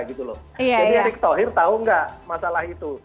jadi erick thohir tahu tidak masalah itu